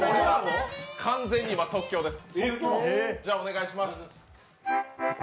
完全に今、即興です。